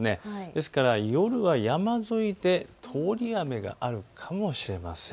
ですから夜は山沿いで通り雨があるかもしれません。